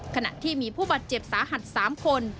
ขณะที่มีผู้บาดเจ็บสาหัส๓คน